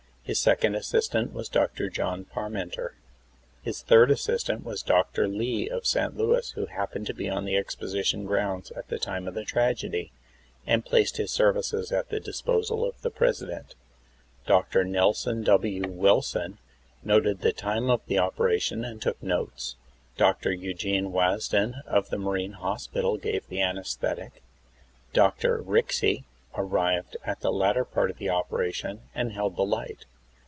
His second assistant was Dr. John Parmenter. Plis third assistant was Dr. Lee of St. Louis, who happened to be on the exposition grounds at the time of the tragedy, and placed his services at the disposal of the President. Dr. Nelson W. Wilson noted the time of the operation, and took notes. Dr. Eugene Wasdin of the marine hospital gave the anesthetic. Dr. Rixey arrived at the latter part of the operation, and held the light.